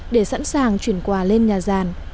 để sẵn sàng chuyển quà lên nhà giàn